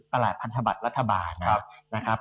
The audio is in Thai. ตลาดพันธบัตรรัฐบาลนะครับ